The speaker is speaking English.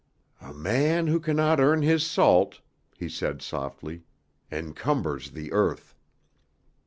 "A man who cannot earn his salt," he said softly, "encumbers the earth."